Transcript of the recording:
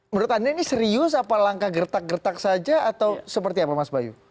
menurut anda ini serius apa langkah gertak gertak saja atau seperti apa mas bayu